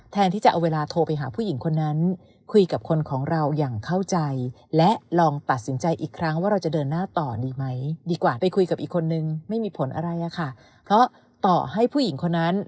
แทนที่จะเอาเวลาโทรไปหาผู้หญิงคนนั้น